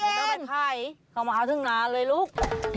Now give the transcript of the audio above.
ไม่ต้องไปขายเข้ามาเอาที่หนาเลยลูก